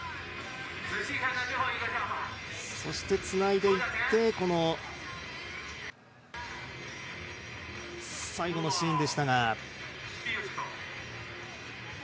つないでいって最後のシーンでしたが。